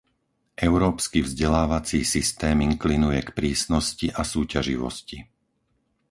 Európsky vzdelávací systém inklinuje k prísnosti a súťaživosti.